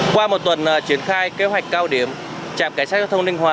qua một tuần triển khai kế hoạch cao điểm trạm cảnh sát giao thông ninh hòa